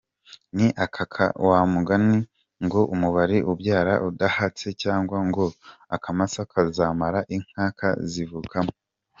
Ni aka wa mugani ngo umubiri ubyara udahatse cyangwa ngo akamasa kazamara inka kazivukamo.